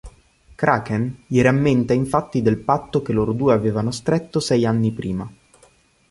Kraken gli rammenta infatti del patto che loro due avevano stretto sei anni prima.